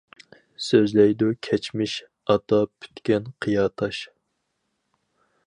سۆزلەيدۇ كەچمىش ئاتا پۈتكەن قىيا تاش.